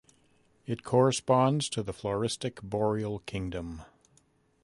It corresponds to the floristic Boreal Kingdom.